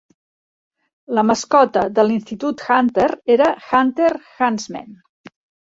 La mascota de l'Institut Hunter era "Hunter Huntsmen".